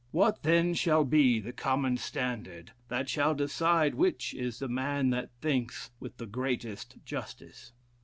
What then shall be the common standard that shall decide which is the man that thinks with the greatest justice?